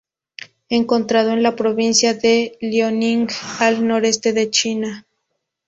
Encontrado en la provincia de Liaoning, al noreste de China.